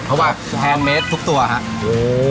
เพราะว่าแพงเมตรทุกตัวครับ